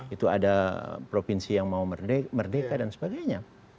itu ada provinsi yang mau merdeka dan sebagainya